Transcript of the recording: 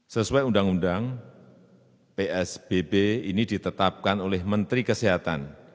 sesuai undang undang psbb ini ditetapkan oleh menteri kesehatan